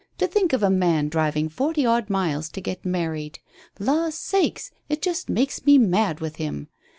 To think of a man driving forty odd miles to get married. La' sakes! It just makes me mad with him.